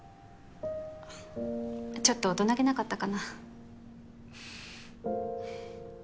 ちょっと大人げなかったかな？